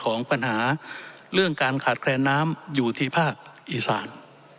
ของปัญหาเรื่องการขาดแคลนน้ำอยู่ที่ภาคอีสาน